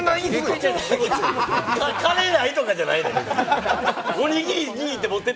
金ないとかじゃないよ。